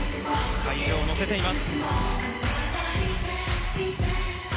会場をのせています。